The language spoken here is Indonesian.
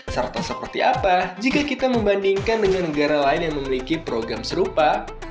serta seperti apa jika kita membandingkan dengan negara lain yang memiliki program serupa